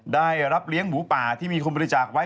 ได้รับเลี้ยงหมูป่าที่มีคนบริจาคไว้